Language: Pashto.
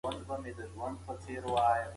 موږ باید په خپلو ژمنو وفا وکړو.